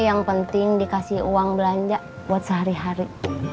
yang penting dikasih uang belanja buat sehari hari